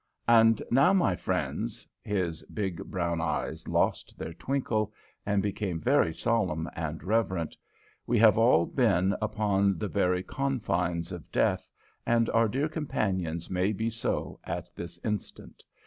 And now, my friends," his big, brown eyes lost their twinkle, and became very solemn and reverent, "we have all been upon the very confines of death, and our dear companions may be so at this instant.